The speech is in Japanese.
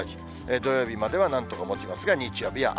土曜日まではなんとかもちますが、日曜日は雨。